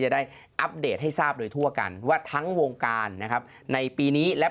ได้อัปเดตให้ทราบโดยทั่วกันว่าทั้งวงการนะครับในปีนี้และ